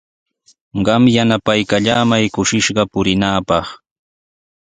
Qam yanapaykallamay kushishqa purinaapaq.